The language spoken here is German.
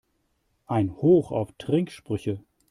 Ein Hoch auf Trinksprüche!